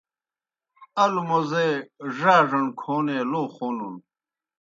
الوْ موزے ڙاڙݨ کھونے لو خونُن۔